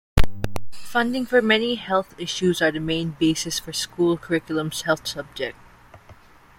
Funding for many health issues are the main basis for school curriculum's health subject.